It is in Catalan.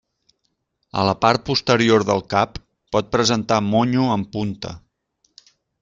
A la part posterior del cap pot presentar monyo en punta.